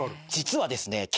実はですね